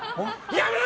やめろ！